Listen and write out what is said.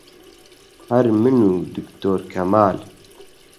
هەر من و دکتۆر کەمال